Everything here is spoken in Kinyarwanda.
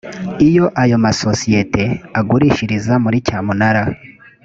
iyo ayo masosiyete agurishiriza muri cyamunara